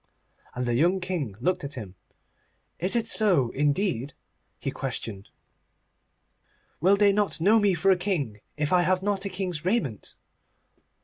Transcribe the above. And the young King looked at him. 'Is it so, indeed?' he questioned. 'Will they not know me for a king if I have not a king's raiment?